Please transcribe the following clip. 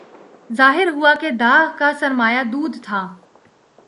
ظاہر ہوا کہ داغ کا سرمایہ دود تھا